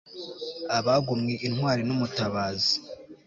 abagomwe intwari n'umutabazi